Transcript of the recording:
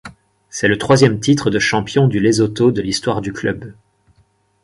C'est le troisième titre de champion du Lesotho de l'histoire du club.